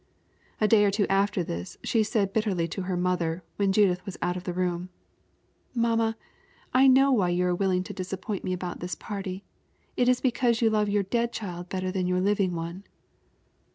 A day or two after this she said bitterly to her mother, when Judith was out of the room: "Mamma, I know why you are willing to disappoint me about this party. It is because you love your dead child better than your living one."